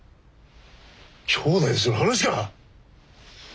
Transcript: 兄妹でする話か！